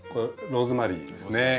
ローズマリーですね。